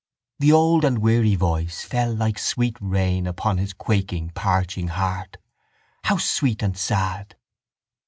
The old and weary voice fell like sweet rain upon his quaking parching heart. How sweet and sad!